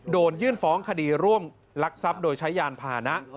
โดนยื่นฟ้องคดีร่วมลักทรัพย์โดยใช้ยานพานะ